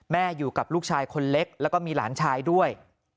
อยู่กับลูกชายคนเล็กแล้วก็มีหลานชายด้วย